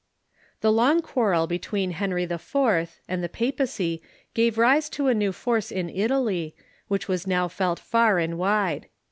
] The long quarrel between Henry IV. and the papacy gave rise to a new force in Italy, Avhich was now felt far and wide.